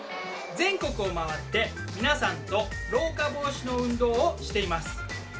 全国を回って皆さんと老化防止の運動をしています。